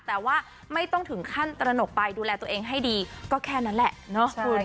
แต่ว่าไม่ต้องถึงขั้นตระหนกไปดูแลตัวเองให้ดีก็แค่นั้นแหละเนาะ